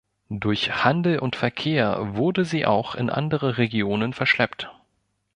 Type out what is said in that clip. Durch Handel und Verkehr wurde sie auch in andere Regionen verschleppt.